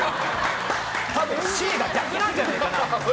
Ｃが逆なんじゃないかな。